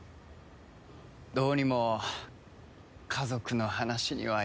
どうにも家族の話には弱い。